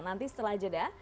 nanti setelah jeda